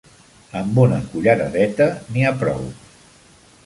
Amb una culleradeta n'hi ha prou.